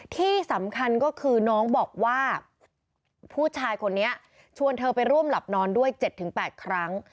ที่สำคัญก็คือน้องบอกว่าผู้ชายคนนี้ชวนเธอไปร่วมหลับนอนด้วย๗๘ครั้ง